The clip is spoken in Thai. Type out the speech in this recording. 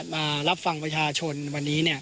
มารับฟังประชาชนวันนี้